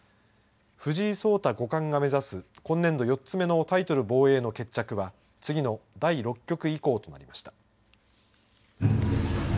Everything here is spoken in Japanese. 藤井聡太五冠が目指す今年度４つ目のタイトル防衛の決着は次の第６局以降となりました。